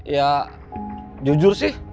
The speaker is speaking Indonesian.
ya jujur sih